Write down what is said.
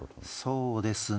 そうですね。